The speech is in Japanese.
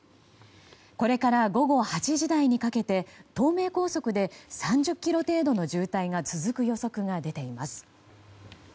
これから午後８時台にかけて東名高速で３０ｋｍ程度の渋滞が続く予測が出ています。